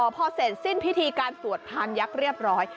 พอเสร็จสิ้นพิธีการสวดพานยักษ์เรียบร้อย